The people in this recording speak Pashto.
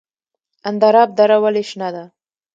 اندراب دره ولې شنه ده؟